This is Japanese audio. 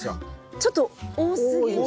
ちょっと多すぎますね。